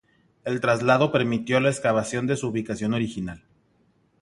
El traslado permitió la excavación de su ubicación original.